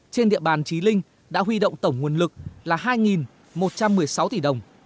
trên địa bàn trí linh đã huy động tổng nguồn lực là hai một trăm linh đồng